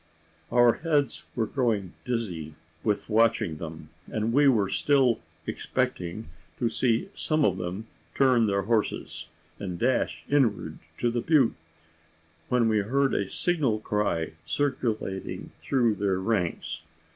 Our heads were growing dizzy with watching them, and we were still expecting to see some of them turn their horses, and dash inward to the butte; when we heard a signal cry circulating through their ranks.